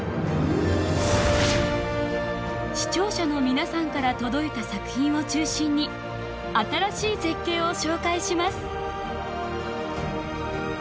視聴者の皆さんから届いた作品を中心に新しい絶景を紹介します。